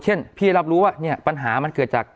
เช่นพี่รับรู้ว่าปัญหามันเกิดจาก